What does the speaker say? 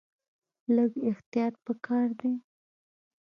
لږ احتیاط په کار دی.